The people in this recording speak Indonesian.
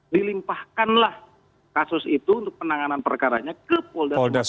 dilimpahkanlah kasus itu untuk penanganan perkaranya ke polda sumatera utara